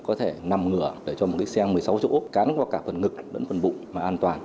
có thể nằm ngửa để cho một xe ô tô một mươi sáu chỗ cán qua cả phần ngực và phần bụng mà an toàn